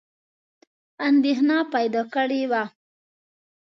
اندېښنه پیدا کړې وه.